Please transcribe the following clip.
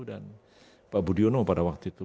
pak budiono pada waktu itu